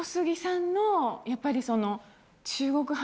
やっぱりその。